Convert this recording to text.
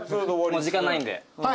もう時間ないんで。